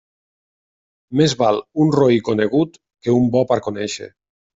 Més val un roí conegut que un bo per conèixer.